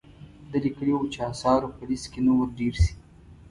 ده لیکلي وو چې آثارو په لیست کې نوم ور ډیر شي.